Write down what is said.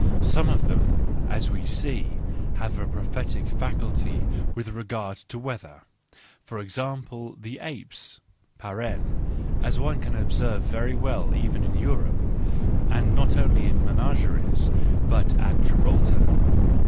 Some of them, as we see, have a prophetic faculty with regard to the weather, for example, apes 246 THE JOYFUL WISDOM, IV (as one can observe very well even in Europe,— and not only in menageries, but at Gibraltar).